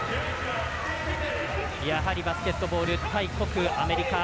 やはりバスケットボール大国アメリカ。